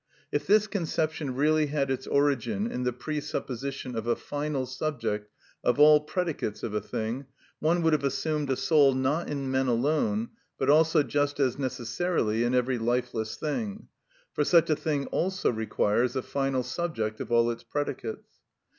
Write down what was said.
If this conception really had its origin in the presupposition of a final subject of all predicates of a thing, one would have assumed a soul not in men alone, but also just as necessarily in every lifeless thing, for such a thing also requires a final subject of all its predicates.